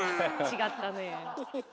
違ったねえ。